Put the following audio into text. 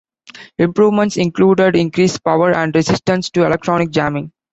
Improvements included increased power and resistance to electronic jamming.